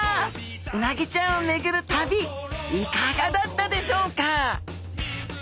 うなぎちゃんを巡る旅いかがだったでしょうか？